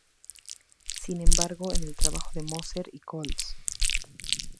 Sin embargo, en el trabajo de Moser y cols.